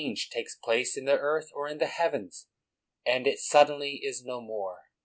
216 NEWMAN takes place in the earth or in the heavens, and it suddenly is no more.